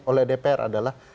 oleh dpr adalah